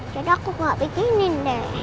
jadi aku nggak bikinin deh